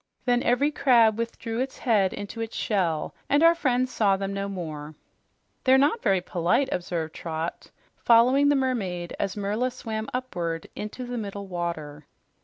Then every crab withdrew its head into its shell, and our friends saw them no more. "They're not very polite," observed Trot, following the mermaid as Merla swam upward into the middle water.